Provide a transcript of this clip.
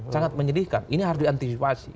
sangat menyedihkan ini harus diantisipasi